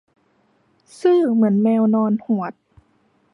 ซื่อเหมือนแมวนอนหวด